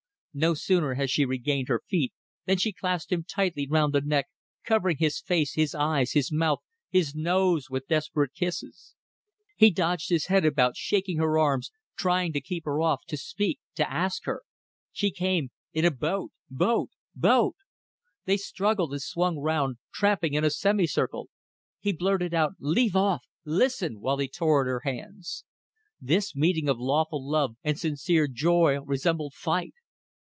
No sooner had she regained her feet than she clasped him tightly round the neck, covering his face, his eyes, his mouth, his nose with desperate kisses. He dodged his head about, shaking her arms, trying to keep her off, to speak, to ask her. ... She came in a boat, boat, boat! ... They struggled and swung round, tramping in a semicircle. He blurted out, "Leave off. Listen," while he tore at her hands. This meeting of lawful love and sincere joy resembled fight.